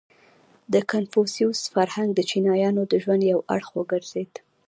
• د کنفوسیوس فرهنګ د چینایانو د ژوند یو اړخ وګرځېد.